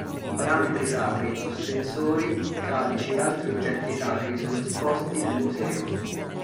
Paramenti sacri, ostensori, calici e altri oggetti sacri sono esposti nel museo.